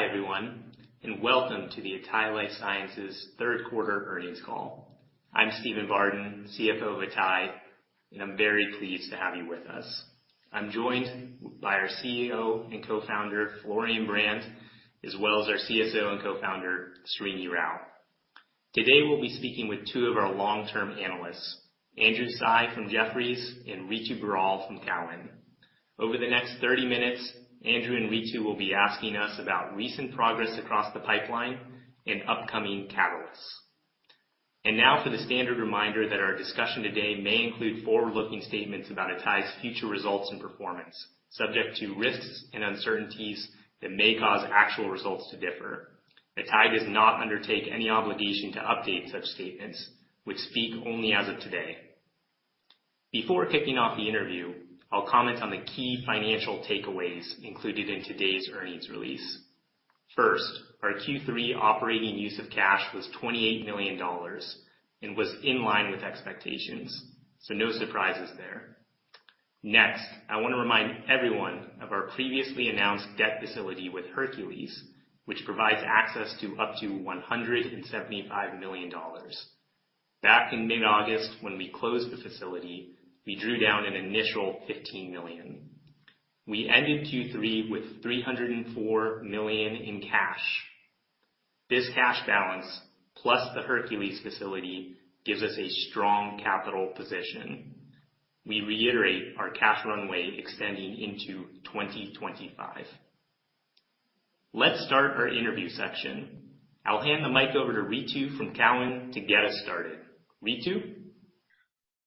Hi everyone, and welcome to the atai Life Sciences Q3 Earnings Call. I'm Stephen Bardin, CFO of atai, and I'm very pleased to have you with us. I'm joined by our CEO and co-founder, Florian Brand, as well as our CSO and co-founder, Srinivas Rao. Today, we'll be speaking with two of our long-term analysts, Andrew Tsai from Jefferies and Ritu Baral from Cowen. Over the next 30 minutes, Andrew and Ritu will be asking us about recent progress across the pipeline and upcoming catalysts. Now for the standard reminder that our discussion today may include forward-looking statements about atai's future results and performance, subject to risks and uncertainties that may cause actual results to differ. Atai does not undertake any obligation to update such statements, which speak only as of today. Before kicking off the interview, I'll comment on the key financial takeaways included in today's earnings release. First, our Q3 operating use of cash was $28 million and was in line with expectations, so no surprises there. Next, I want to remind everyone of our previously announced debt facility with Hercules, which provides access to up to $175 million. Back in mid-August, when we closed the facility, we drew down an initial $15 million. We ended Q3 with $304 million in cash. This cash balance, plus the Hercules facility, gives us a strong capital position. We reiterate our cash runway extending into 2025. Let's start our interview section. I'll hand the mic over to Ritu from Cowen to get us started. Ritu.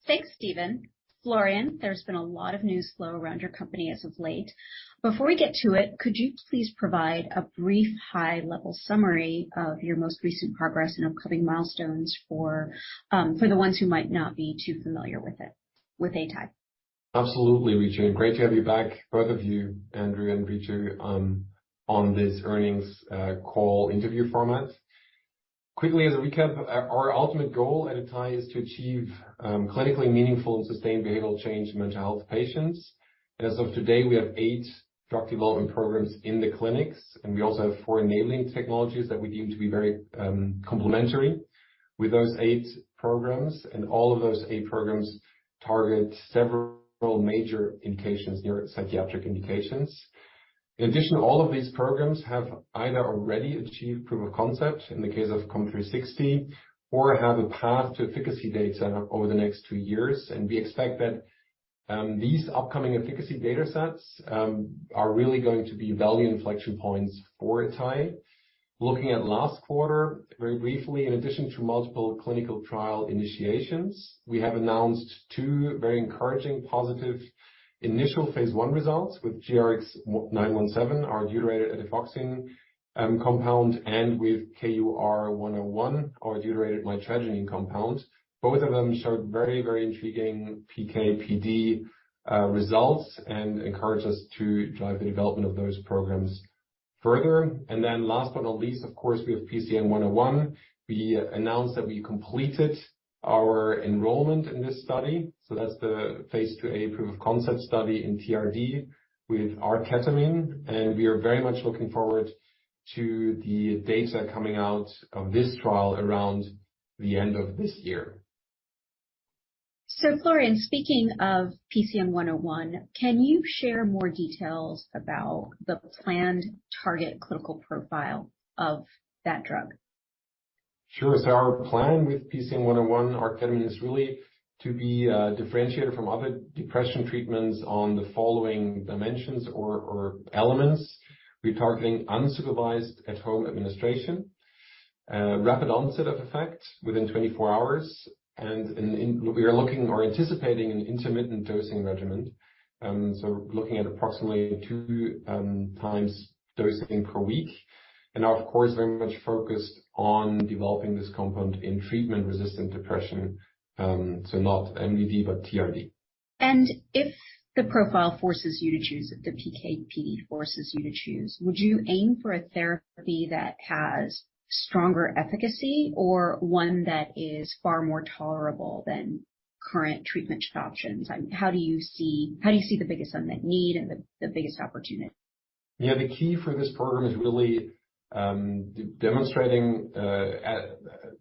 Thanks, Stephen. Florian, there's been a lot of news flow around your company as of late. Before we get to it, could you please provide a brief high-level summary of your most recent progress and upcoming milestones for the ones who might not be too familiar with it, with atai? Absolutely, Ritu, and great to have you back, both of you, Andrew and Ritu, on this earnings call interview format. Quickly as a recap, our ultimate goal at atai is to achieve clinically meaningful and sustained behavioral change in mental health patients. As of today, we have eight drug development programs in the clinics, and we also have four enabling technologies that we deem to be very complementary with those eight programs. All of those eight programs target several major indications, neuropsychiatric indications. In addition, all of these programs have either already achieved proof of concept in the case of COMP360 or have a path to efficacy data over the next two years. We expect that these upcoming efficacy data sets are really going to be value inflection points for atai. Looking at last quarter very briefly, in addition to multiple clinical trial initiations, we have announced two very encouraging positive initial Phase I results with GRX-917, our deuterated etifoxine compound, and with KUR-101, our deuterated mitragynine compound. Both of them showed very, very intriguing PK/PD results and encouraged us to drive the development of those programs further. Last but not least, of course, we have PCN-101. We announced that we completed our enrollment in this study. That's the Phase IIA proof of concept study in TRD with R-ketamine, and we are very much looking forward to the data coming out of this trial around the end of this year. Florian, speaking of PCN-101, can you share more details about the planned target clinical profile of that drug? Sure. Our plan with PCN-101 R-ketamine is really to be differentiated from other depression treatments on the following dimensions or elements. We're targeting unsupervised at-home administration, rapid onset of effect within 24-hours, and we are looking or anticipating an intermittent dosing regimen. Looking at approximately two times dosing per week and are of course, very much focused on developing this compound in treatment-resistant depression. Not MDD, but TRD. If the profile forces you to choose, if the PK/PD forces you to choose, would you aim for a therapy that has stronger efficacy or one that is far more tolerable than current treatment options? How do you see the biggest unmet need and the biggest opportunity? Yeah. The key for this program is really,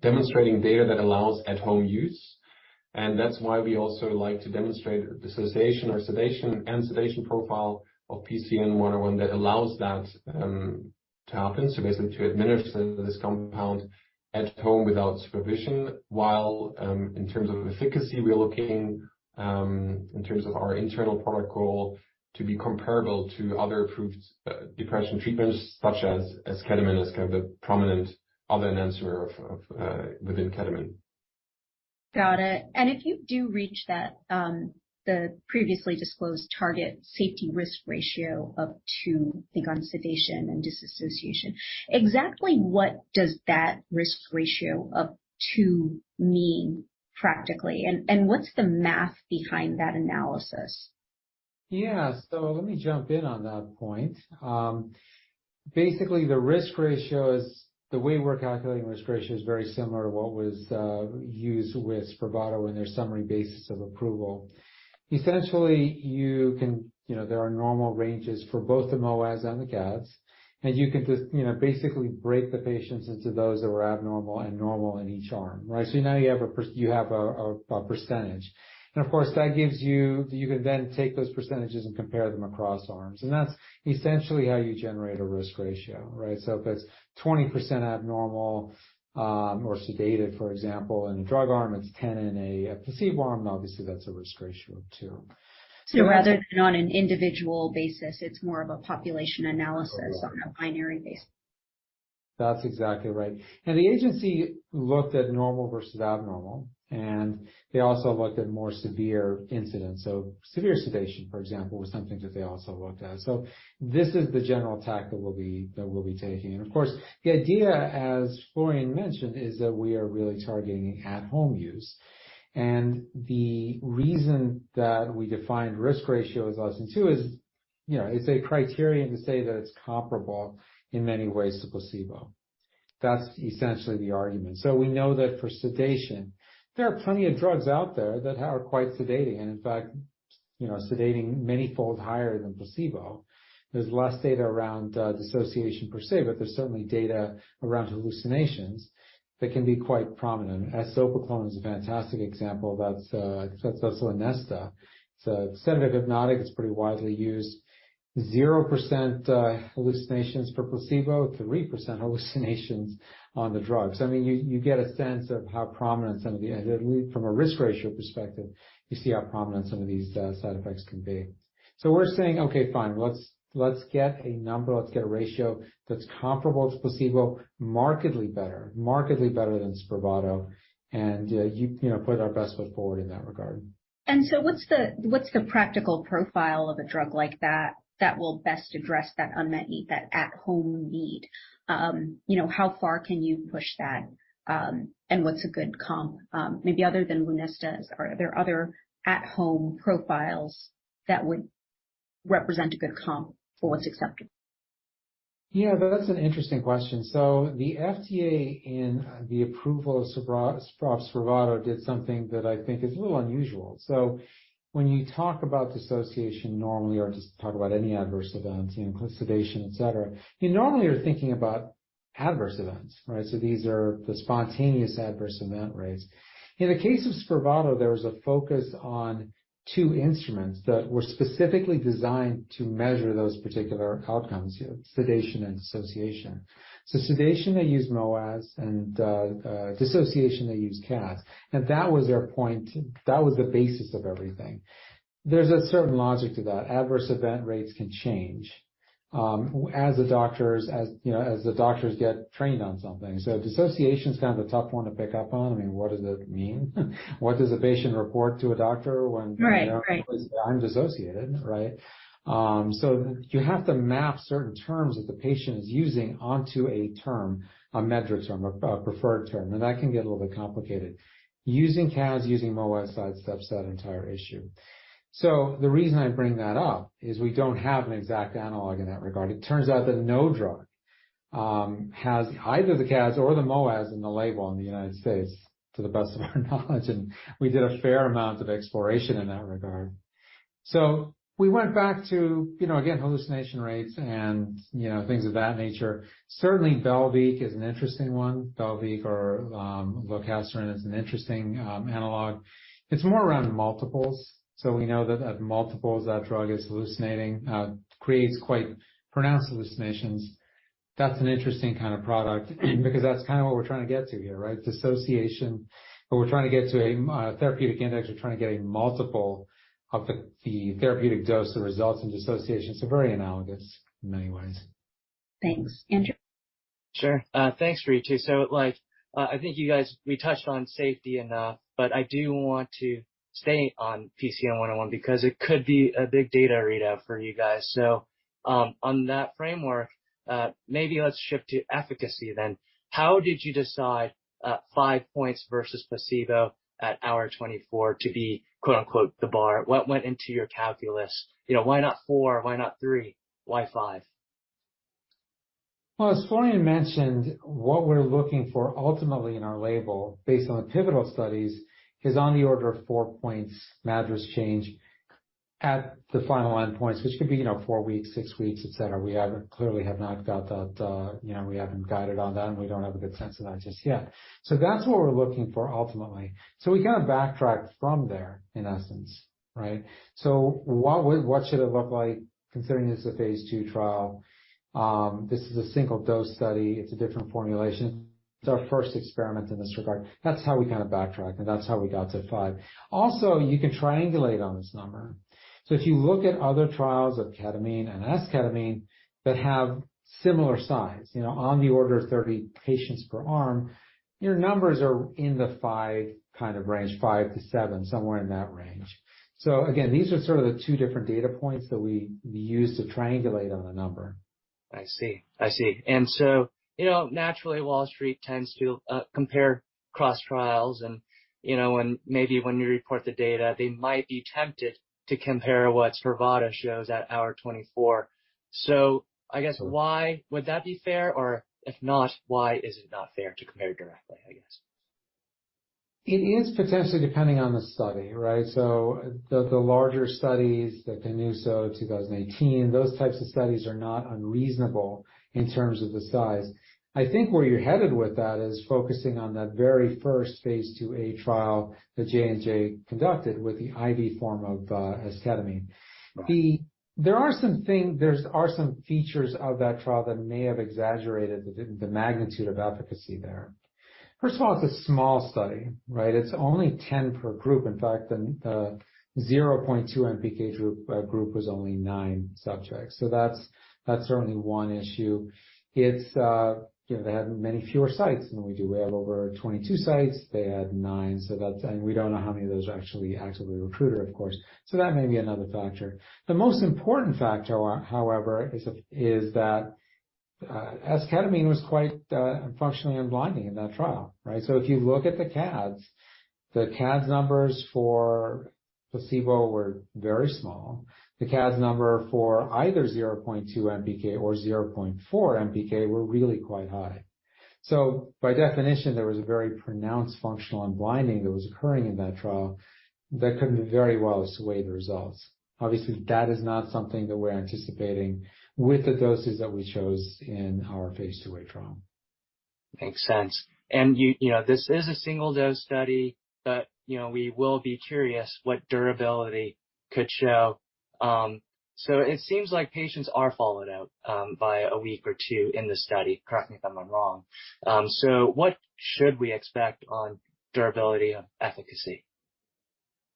demonstrating data that allows at-home use. That's why we also like to demonstrate dissociation or sedation profile of PCN-101 that allows that, to happen. Basically to administer this compound at home without supervision, while, in terms of efficacy, we're looking, in terms of our internal product goal, to be comparable to other approved depression treatments such as Esketamine, as kind of a prominent other enantiomer of ketamine. Got it. If you do reach that, the previously disclosed target safety risk ratio of 2, I think, on sedation and dissociation, exactly what does that risk ratio of 2 mean practically? What's the math behind that analysis? Yeah. Let me jump in on that point. Basically, the risk ratio is the way we're calculating risk ratio is very similar to what was used with SPRAVATO and their summary basis of approval. Essentially, you can. You know, there are normal ranges for both the MOAA/S and the CADSS, and you can just, you know, basically break the patients into those that were abnormal and normal in each arm, right? Now you have a percentage. And of course, that gives you. You can then take those percentages and compare them across arms. And that's essentially how you generate a risk ratio, right? If it's 20% abnormal, or sedated, for example, in a drug arm, it's 10% in a placebo arm, then obviously that's a risk ratio of 2. Rather than on an individual basis, it's more of a population analysis on a binary basis. That's exactly right. The agency looked at normal versus abnormal, and they also looked at more severe incidents. Severe sedation, for example, was something that they also looked at. This is the general tack that we'll be taking. Of course, the idea, as Florian mentioned, is that we are really targeting at home use. The reason that we defined risk ratio as less than 2 is, you know, it's a criterion to say that it's comparable in many ways to placebo. That's essentially the argument. We know that for sedation, there are plenty of drugs out there that are quite sedating and in fact, you know, sedating many fold higher than placebo. There's less data around dissociation per se, but there's certainly data around hallucinations that can be quite prominent. Eszopiclone is a fantastic example. That's Lunesta. It's a sedative hypnotic. It's pretty widely used. 0% hallucinations for placebo, 3% hallucinations on the drug. I mean, you get a sense of how prominent some of these, at least from a risk ratio perspective, side effects can be. We're saying, "Okay, fine. Let's get a number, let's get a ratio that's comparable to placebo, markedly better, markedly better than SPRAVATO," and you know, put our best foot forward in that regard. What's the practical profile of a drug like that that will best address that unmet need, that at home need? You know, how far can you push that, and what's a good comp, maybe other than Lunesta? Are there other at home profiles that would represent a good comp for what's accepted? Yeah, that's an interesting question. The FDA, in the approval of SPRAVATO, did something that I think is a little unusual. When you talk about dissociation normally or just talk about any adverse events, you include sedation, et cetera, you normally are thinking about adverse events, right? These are the spontaneous adverse event rates. In the case of SPRAVATO, there was a focus on two instruments that were specifically designed to measure those particular outcomes, sedation and dissociation. Sedation, they used MOAA/S, and dissociation, they used CADSS, and that was their point. That was the basis of everything. There's a certain logic to that. Adverse event rates can change, as the doctors, you know, as the doctors get trained on something. Dissociation is kind of a tough one to pick up on. I mean, what does it mean? What does a patient report to a doctor when? Right. Right. You know, "I'm dissociated," right? You have to map certain terms that the patient is using onto a term, a metric term, a preferred term, and that can get a little bit complicated. Using CADSS, using MOAA/S sidesteps that entire issue. The reason I bring that up is we don't have an exact analog in that regard. It turns out that no drug has either the CADSS or the MOAA/S in the label in the United States, to the best of our knowledge, and we did a fair amount of exploration in that regard. We went back to, you know, again, hallucination rates and, you know, things of that nature. Certainly, Belviq is an interesting one. Belviq or lorcaserin is an interesting analog. It's more around multiples. We know that at multiples, that drug is hallucinating, creates quite pronounced hallucinations. That's an interesting kind of product because that's kind of what we're trying to get to here, right? Dissociation. We're trying to get to a therapeutic index. We're trying to get a multiple of the therapeutic dose that results in dissociation. Very analogous in many ways. Thanks. Andrew? Sure. Thanks, Ritu. Like, I think you guys, we touched on safety enough, but I do want to stay on PCN-101 because it could be a big data readout for you guys. On that framework, maybe let's shift to efficacy then. How did you decide, five points versus placebo at hour 24 to be, quote-unquote, the bar? What went into your calculus? You know, why not four? Why not three? Why five? Well, as Florian mentioned, what we're looking for ultimately in our label based on the pivotal studies is on the order of four points MADRS change at the final endpoints, which could be, you know, four weeks, six weeks, et cetera. We clearly have not got that, you know, we haven't guided on that, and we don't have a good sense of that just yet. That's what we're looking for ultimately. We kind of backtrack from there in essence, right? What should it look like considering this is a Phase II trial? This is a single dose study. It's a different formulation. It's our first experiment in this regard. That's how we kind of backtrack, and that's how we got to five. Also, you can triangulate on this number. If you look at other trials of ketamine and S-ketamine that have similar size, you know, on the order of 30 patients per arm, your numbers are in the five kind of range, five to seven, somewhere in that range. Again, these are sort of the two different data points that we use to triangulate on the number. I see. You know, naturally, Wall Street tends to compare cross-trials, you know, maybe when you report the data, they might be tempted to compare what Spravato shows at hour 24. I guess why would that be fair? Or if not, why is it not fair to compare directly, I guess? It is potentially depending on the study, right? The larger studies, the Canuso 2018, those types of studies are not unreasonable in terms of the size. I think where you're headed with that is focusing on that very first Phase IIA trial that J&J conducted with the IV form of Esketamine. Right. There are some features of that trial that may have exaggerated the magnitude of efficacy there. First of all, it's a small study, right? It's only 10 per group. In fact, the 0.2 mg/kg group was only nine subjects. So that's certainly one issue. It's, you know, they had many fewer sites than we do. We have over 22 sites. They had nine. We don't know how many of those are actually actively recruited, of course. So that may be another factor. The most important factor, however, is that Esketamine was quite functionally unblinding in that trial, right? So if you look at the CADSS numbers for placebo were very small. The CADSS number for either 0.2 MPK or 0.4 MPK were really quite high. By definition, there was a very pronounced functional unblinding that was occurring in that trial that could very well have swayed the results. Obviously, that is not something that we're anticipating with the doses that we chose in our Phase IIA trial. Makes sense. You know, this is a single-dose study, but you know, we will be curious what durability could show. It seems like patients are followed up for a week or two in the study. Correct me if I'm wrong. What should we expect on durability of efficacy?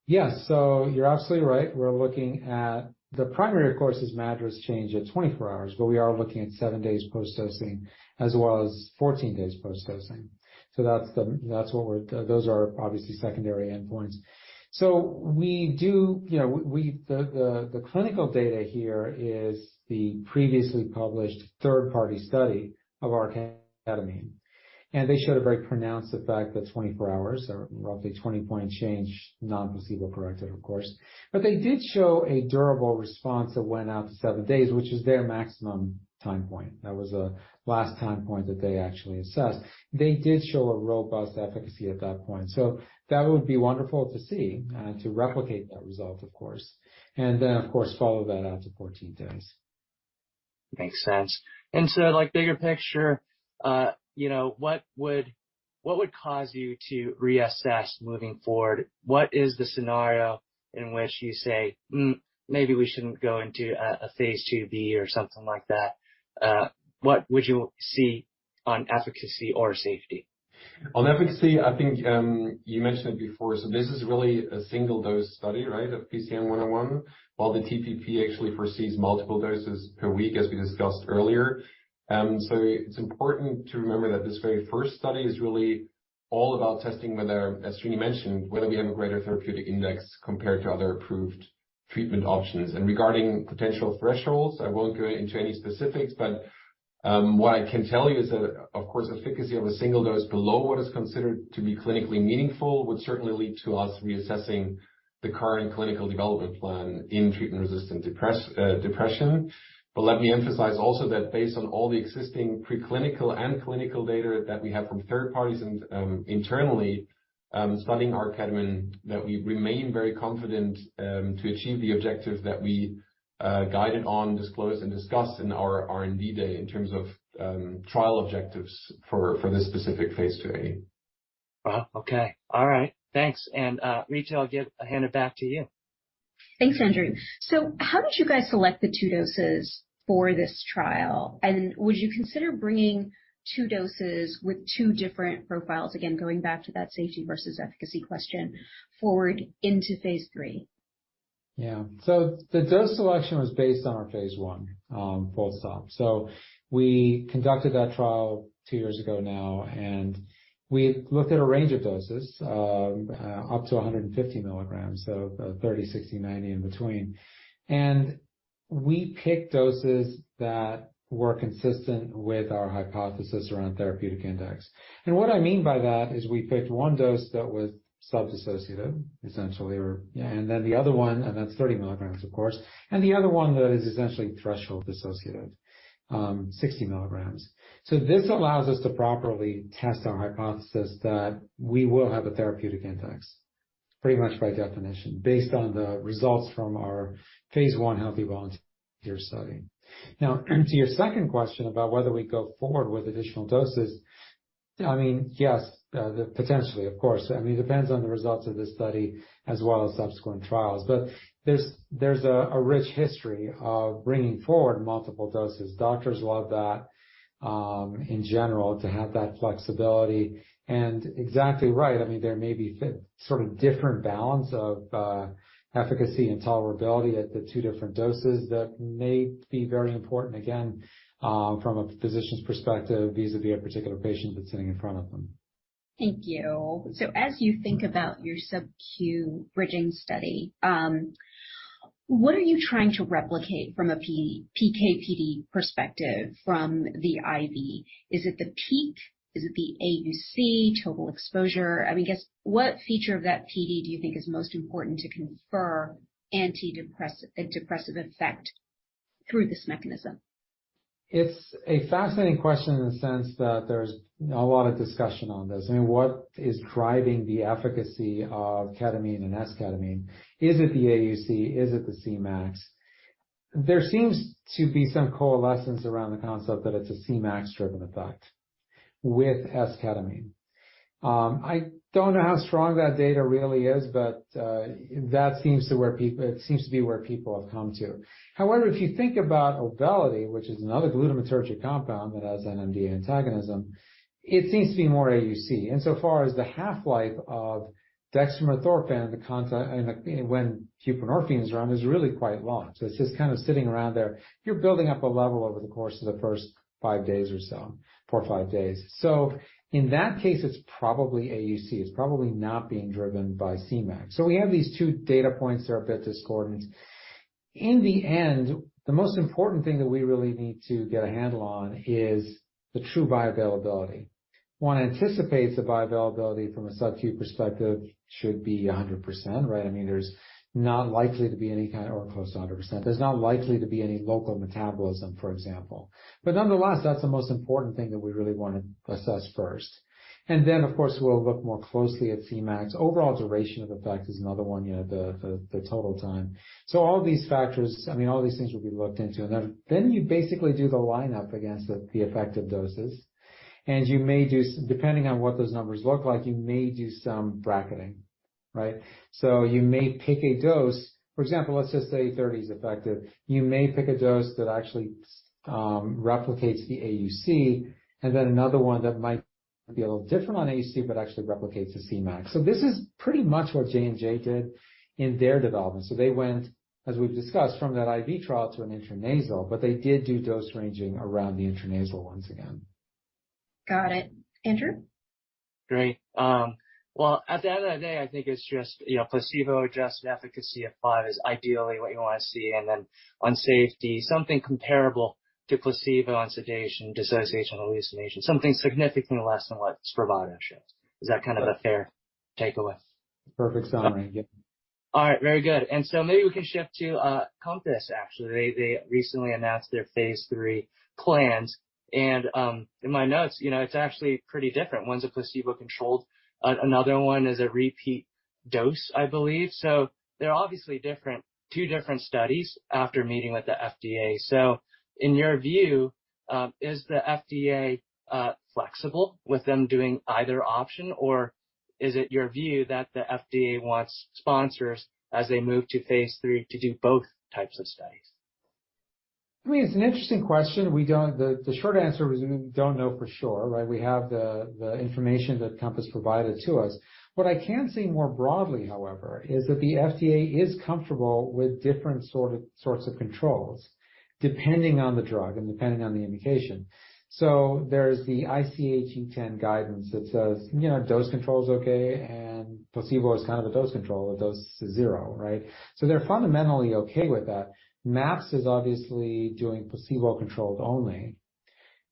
Yes. You're absolutely right. We're looking at the primary, of course, is MADRS change at 24-hours, but we are looking at seven days post-dosing as well as 14 days post-dosing. That's what those are obviously secondary endpoints. We do, you know, the clinical data here is the previously published third-party study of Arketamine. They showed a very pronounced effect at 24-hours or roughly 20-point change, placebo-corrected, of course. They did show a durable response that went out to seven days, which is their maximum time point. That was the last time point that they actually assessed. They did show a robust efficacy at that point. That would be wonderful to see, to replicate that result, of course, and then, of course, follow that out to 14 days. Makes sense. Like, bigger picture, you know, what would cause you to reassess moving forward? What is the scenario in which you say, "Hmm, maybe we shouldn't go into a Phase IIB," or something like that? What would you see on efficacy or safety? On efficacy, I think, you mentioned it before, so this is really a single-dose study, right? Of PCN-101, while the TPP actually foresees multiple doses per week, as we discussed earlier. So it's important to remember that this very first study is really all about testing whether, as Srini mentioned, we have a greater therapeutic index compared to other approved treatment options. Regarding potential thresholds, I won't go into any specifics, but, what I can tell you is that, of course, efficacy of a single dose below what is considered to be clinically meaningful would certainly lead to us reassessing the current clinical development plan in treatment-resistant depression. Let me emphasize also that based on all the existing preclinical and clinical data that we have from third parties and internally studying Arketamine, that we remain very confident to achieve the objectives that we guided on, disclosed, and discussed in our R&D Day in terms of trial objectives for this specific Phase IIA. Okay. All right. Thanks. Ritu, I'll hand it back to you. Thanks, Andrew. How did you guys select the two doses for this trial? Would you consider bringing two doses with two different profiles, again, going back to that safety versus efficacy question forward into Phase III? Yeah. The dose selection was based on our Phase I, full stop. We conducted that trial two years ago now, and we looked at a range of doses up to 150 milligrams, so 30, 60, 90 in between. We picked doses that were consistent with our hypothesis around therapeutic index. What I mean by that is we picked one dose that was sub-dissociative, essentially, and then the other one, and that's 30 milligrams, of course, and the other one that is essentially threshold dissociative, 60 milligrams. This allows us to properly test our hypothesis that we will have a therapeutic index, pretty much by definition, based on the results from our Phase I healthy volunteer study. Now, to your second question about whether we go forward with additional doses, I mean, yes, potentially, of course. I mean, it depends on the results of this study as well as subsequent trials. There's a rich history of bringing forward multiple doses. Doctors love that, in general, to have that flexibility. Exactly right. I mean, there may be sort of different balance of efficacy and tolerability at the two different doses that may be very important, again, from a physician's perspective, vis-à-vis a particular patient that's sitting in front of them. Thank you. As you think about your subcu bridging study, what are you trying to replicate from a PK/PD perspective from the IV? Is it the peak? Is it the AUC total exposure? I mean, what feature of that PD do you think is most important to confer an antidepressant effect through this mechanism? It's a fascinating question in the sense that there's not a lot of discussion on this. I mean, what is driving the efficacy of ketamine and S-ketamine? Is it the AUC? Is it the Cmax? There seems to be some coalescence around the concept that it's a Cmax driven effect with S-ketamine. I don't know how strong that data really is, but that seems to be where people have come to. However, if you think about Auvelity, which is another glutamatergic compound that has an NMDA antagonism, it seems to be more AUC. Insofar as the half-life of dextromethorphan, and when buprenorphine is around, is really quite long. So it's just kind of sitting around there. You're building up a level over the course of the first five days or so, four or five days. In that case, it's probably AUC. It's probably not being driven by Cmax. We have these two data points that are a bit discordant. In the end, the most important thing that we really need to get a handle on is the true bioavailability. One anticipates the bioavailability from a subcu perspective should be 100%, right? I mean, there's not likely to be any kind or close to 100%. There's not likely to be any local metabolism, for example. Nonetheless, that's the most important thing that we really want to assess first. Then, of course, we'll look more closely at Cmax. Overall duration of effect is another one, you know, the total time. All these factors, I mean, all these things will be looked into. Then you basically do the lineup against the effective doses. You may do, depending on what those numbers look like, you may do some bracketing, right? You may pick a dose. For example, let's just say 30 is effective. You may pick a dose that actually replicates the AUC, and then another one that might be a little different on AUC, but actually replicates the Cmax. This is pretty much what J&J did in their development. They went, as we've discussed, from that IV trial to an intranasal, but they did do dose ranging around the intranasal once again. Got it. Andrew? Great. At the end of the day, I think it's just, you know, placebo-adjusted efficacy of five is ideally what you want to see. On safety, something comparable to placebo on sedation, dissociation, hallucination, something significantly less than what SPRAVATO shows. Is that kind of a fair takeaway? Perfect summary. Yep. All right. Very good. Maybe we can shift to COMPASS, actually. They recently announced their Phase III plans. In my notes, you know, it's actually pretty different. One's a placebo-controlled, another one is a repeat dose, I believe. They're obviously different, two different studies after meeting with the FDA. In your view, is the FDA flexible with them doing either option, or is it your view that the FDA wants sponsors as they move to Phase III to do both types of studies? I mean, it's an interesting question. The short answer is we don't know for sure, right? We have the information that COMPASS provided to us. What I can say more broadly, however, is that the FDA is comfortable with different sorts of controls, depending on the drug and depending on the indication. There's the ICH E10 guidance that says, you know, dose control is okay, and placebo is kind of a dose control. The dose is zero, right? They're fundamentally okay with that. MAPS is obviously doing placebo-controlled only.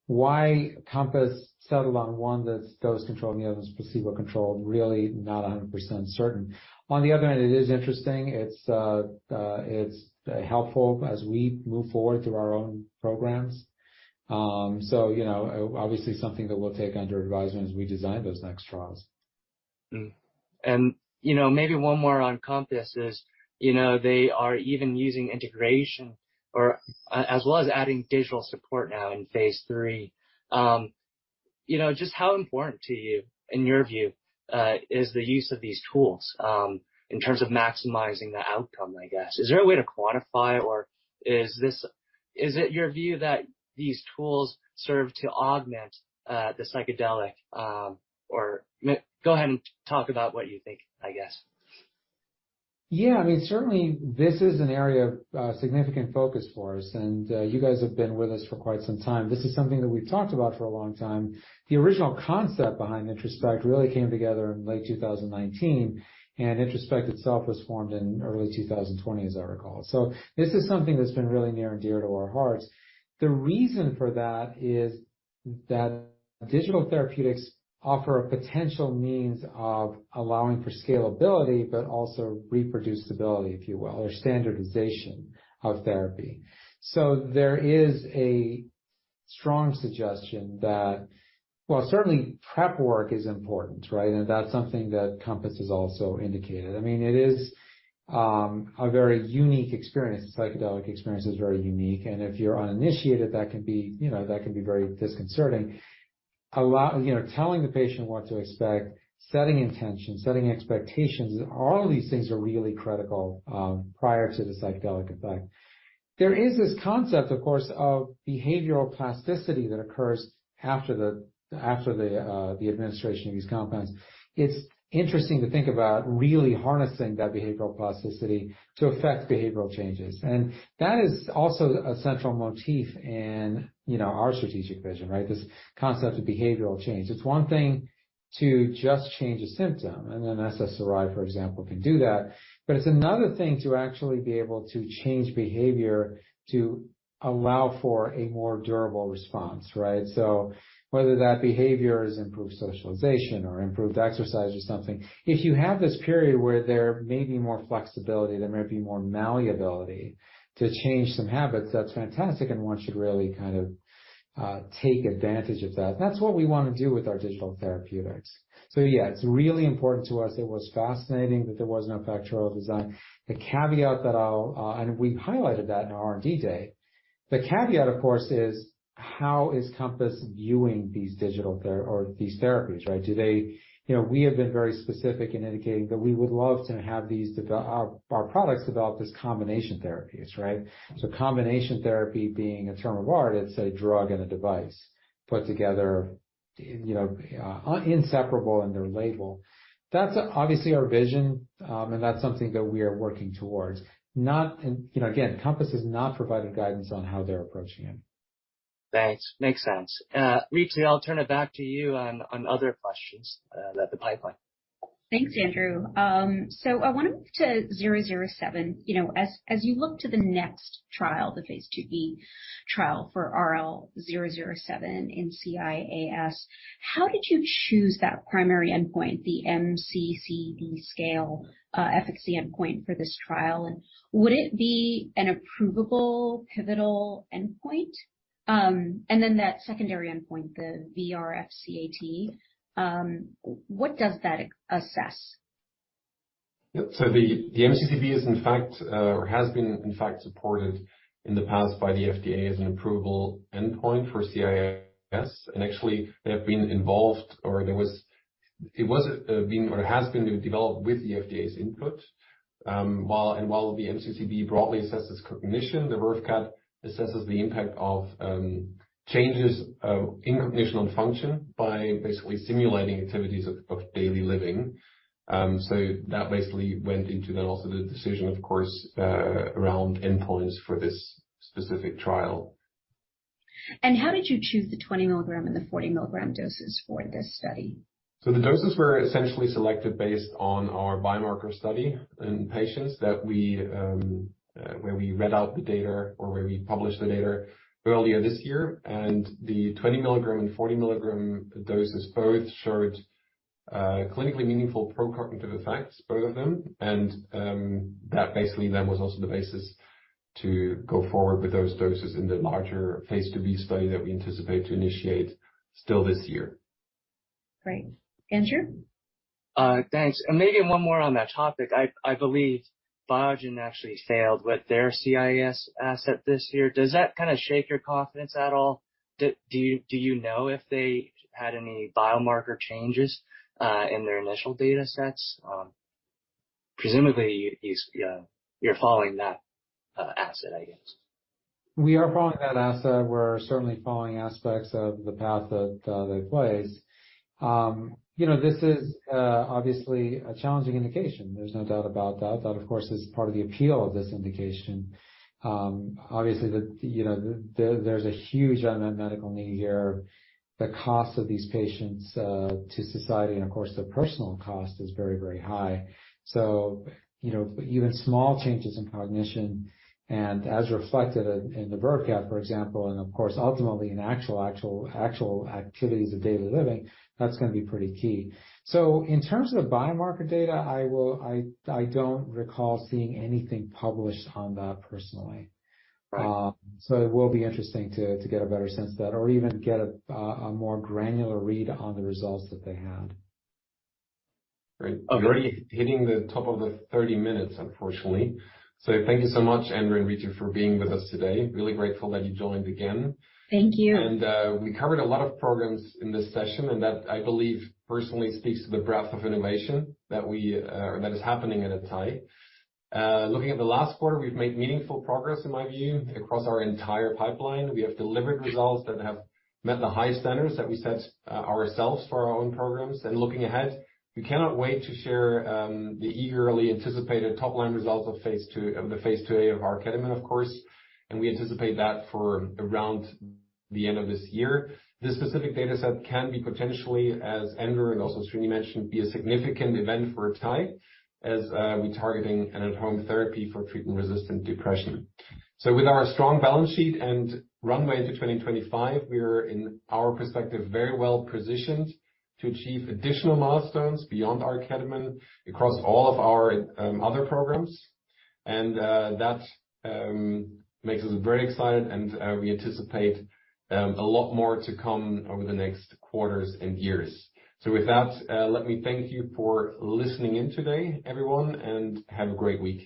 Why COMPASS settled on one that's dose-controlled and the other is placebo-controlled, really not 100% certain. On the other hand, it is interesting. It's helpful as we move forward through our own programs. You know, obviously something that we'll take under advisement as we design those next trials. You know, maybe one more on COMPASS is, you know, they are even using integration or as well as adding digital support now in Phase III. You know, just how important to you, in your view, is the use of these tools in terms of maximizing the outcome, I guess? Is there a way to quantify or is this? Is it your view that these tools serve to augment the psychedelic? Or go ahead and talk about what you think, I guess. Yeah. I mean, certainly this is an area of significant focus for us, and you guys have been with us for quite some time. This is something that we've talked about for a long time. The original concept behind IntroSpect really came together in late 2019, and IntroSpect itself was formed in early 2020, as I recall. This is something that's been really near and dear to our hearts. The reason for that is that digital therapeutics offer a potential means of allowing for scalability but also reproducibility, if you will, or standardization of therapy. There is a strong suggestion that, well, certainly prep work is important, right? That's something that COMPASS has also indicated. I mean, it is a very unique experience. A psychedelic experience is very unique. If you're uninitiated, that can be, you know, that can be very disconcerting. You know, telling the patient what to expect, setting intentions, setting expectations, all of these things are really critical prior to the psychedelic effect. There is this concept, of course, of behavioral plasticity that occurs after the administration of these compounds. It's interesting to think about really harnessing that behavioral plasticity to affect behavioral changes. That is also a central motif in, you know, our strategic vision, right? This concept of behavioral change. It's one thing to just change a symptom, and an SSRI, for example, can do that. It's another thing to actually be able to change behavior to allow for a more durable response, right? Whether that behavior is improved socialization or improved exercise or something, if you have this period where there may be more flexibility, there may be more malleability to change some habits, that's fantastic, and one should really kind of take advantage of that. That's what we want to do with our digital therapeutics. Yeah, it's really important to us. It was fascinating that there was no factorial design, and we highlighted that in our R&D Day. The caveat, of course, is, how is COMPASS viewing these digital therapies or these therapies, right? Do they? You know, we have been very specific in indicating that we would love to have our products develop as combination therapies, right? Combination therapy being a term of art, it's a drug and a device put together, you know, inseparable in their label. That's obviously our vision, and that's something that we are working towards. You know, again, COMPASS has not provided guidance on how they're approaching it. Thanks. Makes sense. Ritu, I'll turn it back to you on other questions about the pipeline. Thanks, Andrew. I want to move to 007. You know, as you look to the next trial, the Phase IIB trial for RL-007 in CIAS, how did you choose that primary endpoint, the MCCB scale, efficacy endpoint for this trial? And would it be an approvable pivotal endpoint? And then that secondary endpoint, the VRFCAT, what does that assess? Yeah. The MCCB is in fact or has been in fact supported in the past by the FDA as an approvable endpoint for CIAS. Actually, they have been involved or has been developed with the FDA's input. While the MCCB broadly assesses cognition, the VRFCAT assesses the impact of changes of cognitive function by basically simulating activities of daily living. That basically went into then also the decision, of course, around endpoints for this specific trial. How did you choose the 20 mg and the 40 mg doses for this study? The doses were essentially selected based on our biomarker study in patients where we read out the data or where we published the data earlier this year. The 20 milligram and 40 milligram doses both showed clinically meaningful pro-cognitive effects, both of them. That basically then was also the basis to go forward with those doses in the larger Phase IIB study that we anticipate to initiate still this year. Great. Andrew? Thanks. Maybe one more on that topic. I believe Biogen actually failed with their CIAS asset this year. Does that kind of shake your confidence at all? Do you know if they had any biomarker changes in their initial data sets? Presumably you're following that asset, I guess. We are following that asset. We're certainly following aspects of the path that they've placed. You know, this is obviously a challenging indication. There's no doubt about that. That, of course, is part of the appeal of this indication. Obviously, you know, there's a huge unmet medical need here. The cost of these patients to society and, of course, the personal cost is very, very high. You know, even small changes in cognition and as reflected in the VRFCAT, for example, and of course, ultimately in actual activities of daily living, that's going to be pretty key. In terms of the biomarker data, I don't recall seeing anything published on that personally. Right. It will be interesting to get a better sense of that or even get a more granular read on the results that they had. Great. We're already hitting the top of the 30 minutes, unfortunately. Thank you so much, Andrew and Ritu, for being with us today. Really grateful that you joined again. Thank you. We covered a lot of programs in this session, and that, I believe, personally speaks to the breadth of innovation that we, or that is happening at atai. Looking at the last quarter, we've made meaningful progress, in my view, across our entire pipeline. We have delivered results that have met the high standards that we set, ourselves for our own programs. Looking ahead, we cannot wait to share, the eagerly anticipated top-line results of Phase IIA of R-ketamine, of course. We anticipate that for around the end of this year. This specific data set can be potentially, as Andrew and also Srini mentioned, be a significant event for atai as, we're targeting an at-home therapy for treatment-resistant depression. With our strong balance sheet and runway to 2025, we're in our perspective very well-positioned to achieve additional milestones beyond R-ketamine across all of our other programs. That makes us very excited, and we anticipate a lot more to come over the next quarters and years. With that, let me thank you for listening in today, everyone, and have a great week.